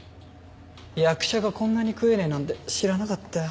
役者がこんなに食えねえなんて知らなかったよ。